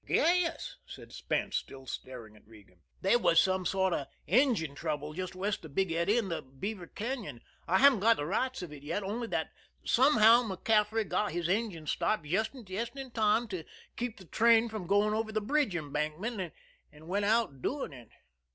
"Yes," said Spence, still staring at Regan. "There was some sort of engine trouble just west of Big Eddy in the Beaver Cañon. I haven't got the rights of it yet, only that somehow MacCaffery got his engine stopped just in time to keep the train from going over the bridge embankment and went out doing it.